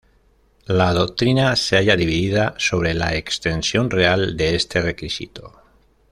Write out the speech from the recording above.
La doctrina se halla dividida sobre la extensión real de este requisito.